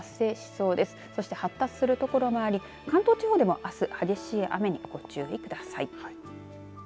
そして発達する所があり関東地方でもあす激しい雨に、ご注意ください。